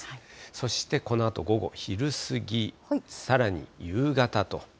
そして、このあと午後、昼過ぎ、さらに夕方と。